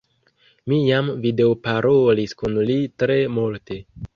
Mi jam videoparolis kun li tre multe.